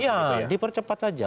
iya dipercepat saja